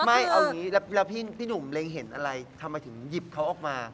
ไม่เอาอย่างนี้แล้วพี่หนุ่มเล็งเห็นอะไรทำไมถึงหยิบเขาออกมา